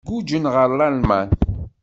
Guǧǧen ɣer Lalman.